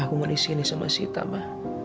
aku mau di sini sama sita ma